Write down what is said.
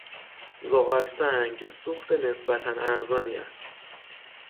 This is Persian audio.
زغالسنگ سوخت نسبتا ارزانی است.